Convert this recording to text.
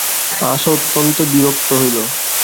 আশা অত্যন্ত বিরক্ত হইল।